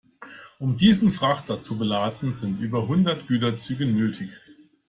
Um diesen Frachter zu beladen, sind über hundert Güterzüge nötig.